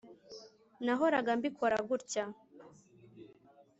nahoraga mbikora gutya